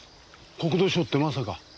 国土省ってまさか！